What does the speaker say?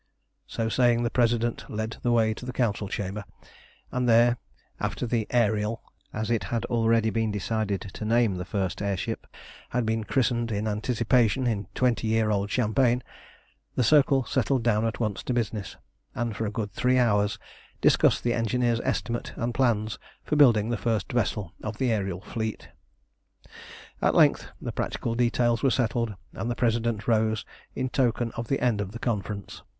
So saying the President led the way to the Council chamber, and there, after the Ariel as it had already been decided to name the first air ship had been christened in anticipation in twenty year old champagne, the Circle settled down at once to business, and for a good three hours discussed the engineer's estimate and plans for building the first vessel of the aërial fleet. At length all the practical details were settled, and the President rose in token of the end of the conference.